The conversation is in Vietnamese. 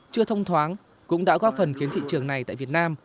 chưa thông thoáng cũng đã góp phần khiến thị trường này tại việt nam